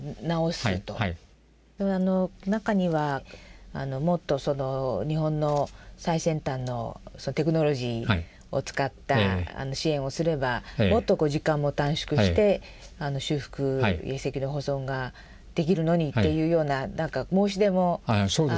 中にはもっとその日本の最先端のテクノロジーを使った支援をすればもっと時間も短縮して修復遺跡の保存ができるのにっていうような申し出もあったことが。